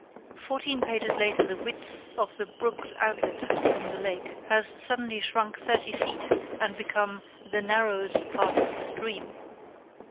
Fourteen pages later the width of the brook's outlet from the lake has suddenly shrunk thirty feet, and become "the narrowest part of the stream."